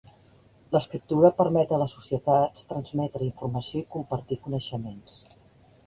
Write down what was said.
L'escriptura permet a les societats transmetre informació i compartir coneixements.